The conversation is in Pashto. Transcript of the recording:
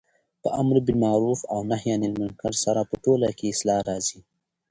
په امرباالمعرف او نهي عن المنکر سره په ټوله کي اصلاح راځي